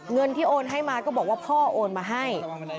เงินที่โอนให้มาก็บอกว่าพ่อโอนมาให้